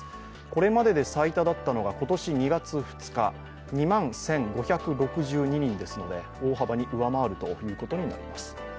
これまでで最多だったのが今年２月２日、２万１５６２人ですので大幅に上回ることになります。